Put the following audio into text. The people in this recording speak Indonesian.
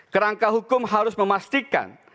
kerangka hukum harus memastikan